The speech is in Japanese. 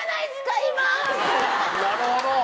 なるほど！